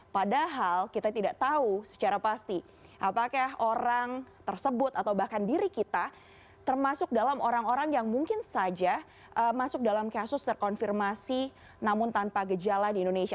padahal kita tidak tahu secara pasti apakah orang tersebut atau bahkan diri kita termasuk dalam orang orang yang mungkin saja masuk dalam kasus terkonfirmasi namun tanpa gejala di indonesia